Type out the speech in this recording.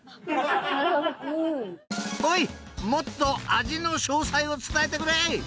もっと味の詳細を伝えてくれ！］